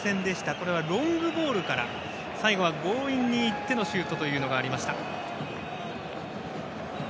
これはロングボールから最後は強引にいってのシュートというのがありました。